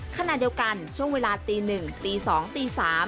ขณะเดียวกันช่วงเวลาตี๑ตี๒ตี๓